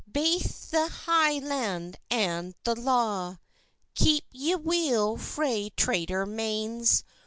Baith the hie land and the law; Keep ye weel frae traitor Mains!